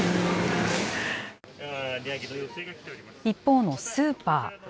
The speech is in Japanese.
一方のスーパー。